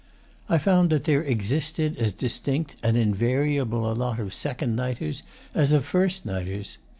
I found that there existed as distinct and invariable a lot of second nighters as of first nighters.